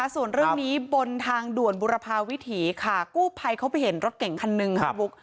ส่วนเรื่องนี้บนทางด่วนบุรพาวิถีค่ะกู้ภัยเขาไปเห็นรถเก่งคันหนึ่งค่ะบุ๊ค